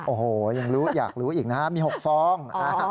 โอ้โฮอยากรู้อีกนะครับมี๖ฟอง